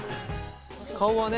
顔はね